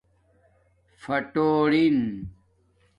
پھاٹُونگ